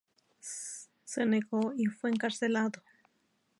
Se negó y fue encarcelado.